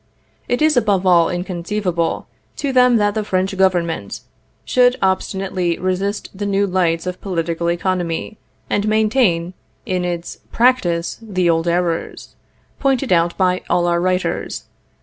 It is above all inconceivable to them that the French government ... should obstinately resist the new lights of political economy, and maintain in its practice the old errors, pointed out by all our writers....